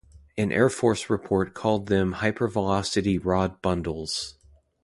An Air Force report called them "hypervelocity rod bundles".